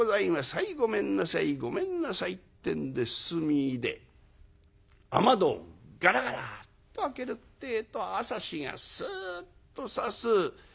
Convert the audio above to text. はいごめんなさいごめんなさい」ってんで進みいで雨戸をガラガラッと開けるってえと朝日がスッとさす。